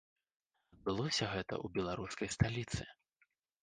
Адбылося гэта ў беларускай сталіцы.